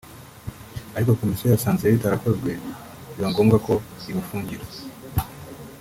ariko komisiyo yasanze bitarakozwe biba ngombwa ko ibafungira